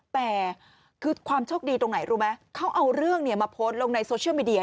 แต่คือความโชคดีตรงไหนรู้ไหมเขาเอาเรื่องมาโพสต์ลงในโซเชียลมีเดีย